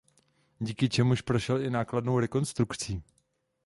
Díky čemuž prošel i nákladnou rekonstrukcí.